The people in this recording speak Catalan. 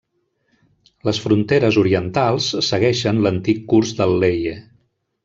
Les fronteres orientals segueixen l'antic curs del Leie.